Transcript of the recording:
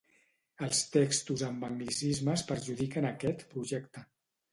Els textos amb anglicismes perjudiquen aquest projecte.